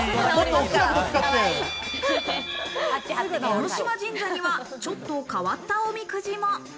江島神社にはちょっと変わった、おみくじも。